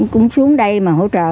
cũng xuống đây mà hỗ trợ